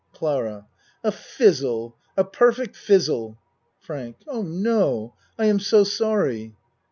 CLARA A fizzle. A perfect fizzle. FRANK Oh, no. I am so sorry.